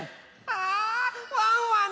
あワンワン